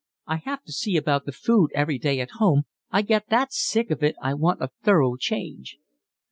"I have to see about the food every day at home, I get that sick of it I want a thorough change."